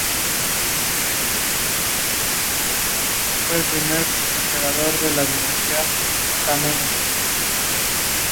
Asimismo, responderá por la buena administración de la Secretaría de la Junta Monetaria.